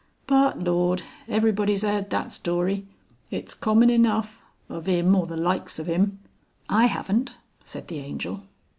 But Lord! everybody's 'eard that story it's common enough, of 'im or the likes of 'im." "I haven't," said the Angel.